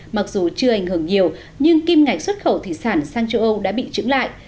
mặc dù chưa ảnh hưởng nhiều nhưng kim ngạch xuất khẩu thủy sản sang châu âu đã bị trứng lại